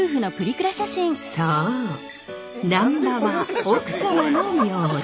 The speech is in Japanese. そう難波は奥様の名字。